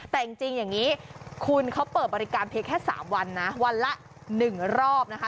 แต่จริงอย่างนี้คุณเขาเปิดบริการเพียงแค่๓วันนะวันละ๑รอบนะคะ